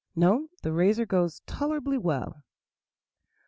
"No, the razor goes tolerably well."